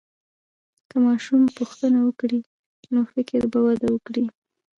که ماشوم پوښتنه وکړي، نو فکر به وده وکړي.